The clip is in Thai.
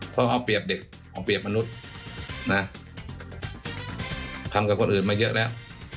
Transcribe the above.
เพราะเอาเปรียบเด็กเอาเปรียบมนุษย์นะทำกับคนอื่นมาเยอะแล้ว